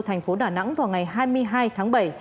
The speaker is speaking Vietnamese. thành phố đà nẵng vào ngày hai mươi hai tháng bảy